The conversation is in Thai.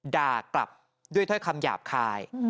ด่ากลับด้วยถ้อยคำหยาบคาย